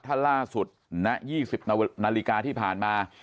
ท่านล่าสุดณ๒๐นาฬิกาที่ผ่านมา